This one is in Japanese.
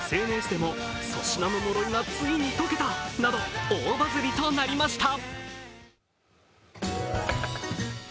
ＳＮＳでも、粗品の呪いがついにとけた！など大バズりとなりました。